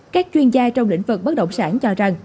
các chuyên gia trong lĩnh vực bất động sản cho rằng